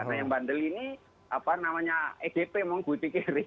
nah yang bandel ini apa namanya egp mau gue pikirin